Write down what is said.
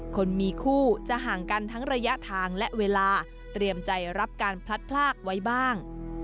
คนมีคู่จะห่างกันทั้งระยะทางและเวลาเตรียมใจรับการพลัดพลากไว้บ้าง